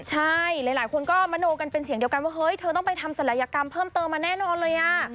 ใช่หลายคนก็มโนกันเป็นเสียงเดียวกันว่าเฮ้ยเธอต้องไปทำศัลยกรรมเพิ่มเติมมาแน่นอนเลยอ่ะ